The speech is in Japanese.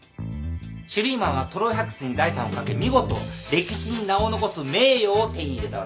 シュリーマンはトロイ発掘に財産を賭け見事歴史に名を残す名誉を手に入れたわけだ。